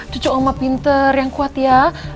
cucuk oma pinter yang kuat ya